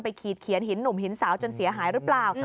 ขีดเขียนหินหนุ่มหินสาวจนเสียหายหรือเปล่า